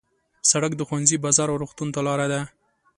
سړک د ښوونځي، بازار او روغتون ته لاره ده.